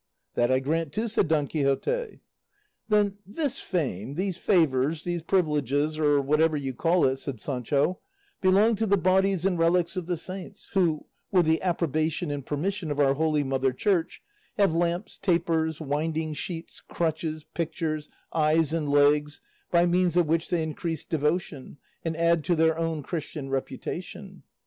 "That I grant, too," said Don Quixote. "Then this fame, these favours, these privileges, or whatever you call it," said Sancho, "belong to the bodies and relics of the saints who, with the approbation and permission of our holy mother Church, have lamps, tapers, winding sheets, crutches, pictures, eyes and legs, by means of which they increase devotion and add to their own Christian reputation.